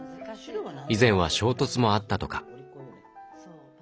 以前は衝突もあったとか。